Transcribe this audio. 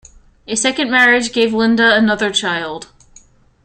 A second marriage gave Linda another child.